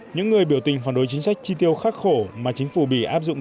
những người biểu tình phản đối chính sách chi tiêu khắc khổ mà chính phủ bỉ áp dụng